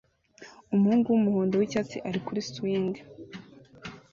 Umuhungu wumuhondo wicyatsi ari kuri swing